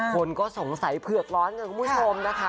คนก็สงสัยเผือกร้อนกันคุณผู้ชมนะคะ